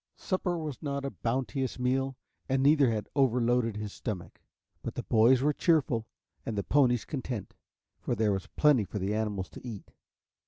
Supper was not a bounteous meal and neither lad overloaded his stomach, but the boys were cheerful and the ponies content, for there was plenty for the animals to eat.